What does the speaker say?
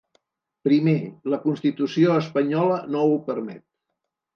Primer, la constitució espanyola no ho permet.